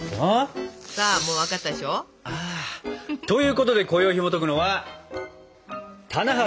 さあもう分かったでしょ？ということでこよいひもとくのは「棚橋弘至の水まんじゅう」。